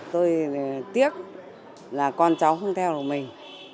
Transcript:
tôi tiếc là con cháu không theo được mình